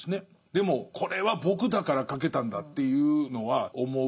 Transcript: でもこれは僕だから書けたんだっていうのは思うでしょうね。